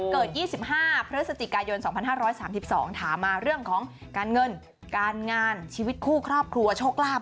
เกิด๒๕พฤศจิกายน๒๕๓๒ถามมาเรื่องของการเงินการงานชีวิตคู่ครอบครัวโชคลาภ